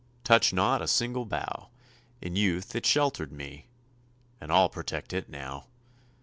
Touch not a single bough! In youth it sheltered me, And I'll protect it now.